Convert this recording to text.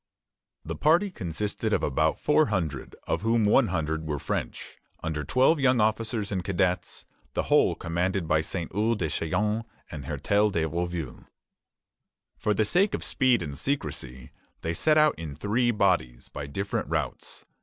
The party consisted of about four hundred, of whom one hundred were French, under twelve young officers and cadets; the whole commanded by Saint Ours des Chaillons and Hertel de Rouville. For the sake of speed and secrecy, they set out in three bodies, by different routes.